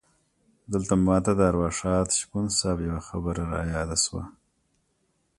دلته ماته د ارواښاد شپون صیب یوه خبره رایاده شوه.